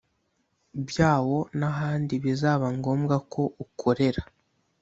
byawo n’ahandi bizaba ngombwa ko ukorera